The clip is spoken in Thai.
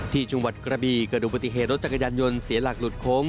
ที่จังหวัดกระบีเกิดดูปฏิเหตุรถจักรยานยนต์เสียหลักหลุดโค้ง